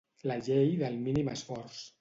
La llei del mínim esforç.